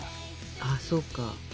ああそうか。